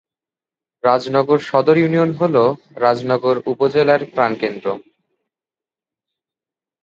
রাজনগর সদর ইউনিয়ন হলো রাজনগর উপজেলার প্রাণকেন্দ্র।